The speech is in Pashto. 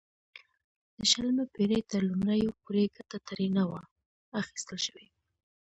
د شلمې پېړۍ تر لومړیو پورې ګټه ترې نه وه اخیستل شوې.